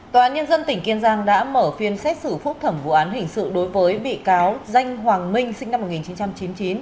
tòa án nhân dân tỉnh kiên giang đã mở phiên xét xử phúc thẩm vụ án hình sự đối với bị cáo danh hoàng minh sinh năm một nghìn chín trăm chín mươi chín